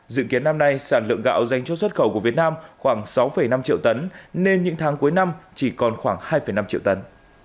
dự kiến năm nay sản lượng gạo dành cho xuất khẩu của việt nam khoảng sáu năm triệu tấn nên những tháng cuối năm chỉ còn khoảng hai năm triệu tấn